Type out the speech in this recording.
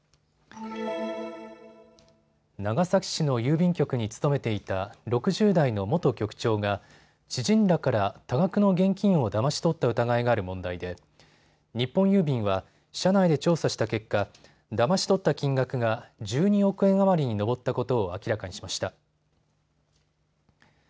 長崎市の郵便局に勤めていた６０代の元局長が知人らから多額の現金をだまし取った疑いがある問題で日本郵便は社内で調査した結果、だまし取った金額が１２億円余りに上ったことを明らかにしました。